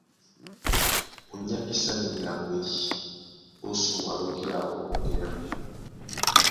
Ó nyákisanɛ muɗaŋgwedi ó sumwa lóki láō ó ŋgeá.